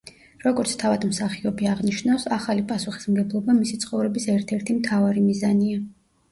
როგორც თავად მსახიობი აღნიშნავს, ახალი პასუხისმგებლობა მისი ცხოვრების ერთერთი მთავარი მიზანია.